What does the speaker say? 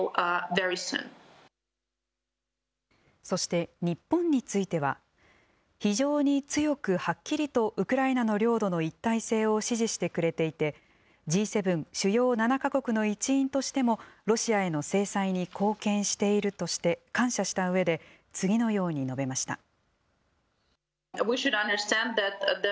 そして日本については非常に強くはっきりとウクライナの領土の一体性を支持してくれていてＧ７・主要７か国の一員としてもロシアへの制裁に貢献しているとして感謝したうえで次のように述べました。